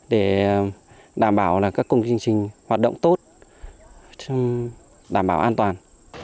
để đảm bảo là các công trình hoạt động tốt đảm bảo an toàn